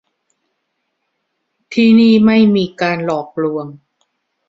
ที่นี่ไม่มีการหลอกลวง